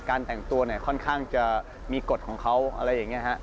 การแต่งตัวค่อนข้างจะมีกฎของเขาอะไรอย่างนี้